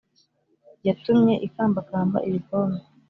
Yatumye ikambakamba ibikombe